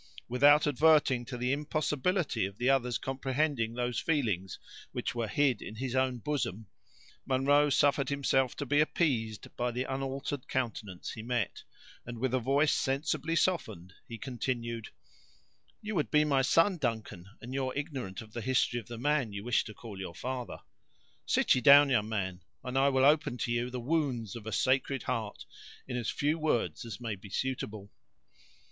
Without adverting to the impossibility of the other's comprehending those feelings which were hid in his own bosom, Munro suffered himself to be appeased by the unaltered countenance he met, and with a voice sensibly softened, he continued: "You would be my son, Duncan, and you're ignorant of the history of the man you wish to call your father. Sit ye down, young man, and I will open to you the wounds of a seared heart, in as few words as may be suitable."